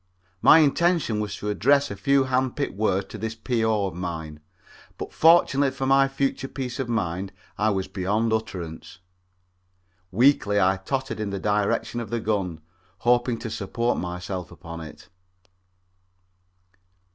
My intention was to address a few handpicked words to this P.O. of mine, but fortunately for my future peace of mind I was beyond utterance. Weakly I tottered in the direction of the gun, hoping to support myself upon it.